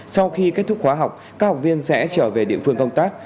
sau khi kết thúc khóa học các học viên sẽ trở về địa phương công tác